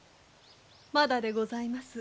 まだでございます。